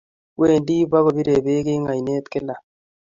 Wendi pkopire peek eng' ainet gila.